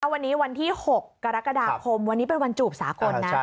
วันนี้วันที่๖กรกฎาคมวันนี้เป็นวันจูบสากลนะ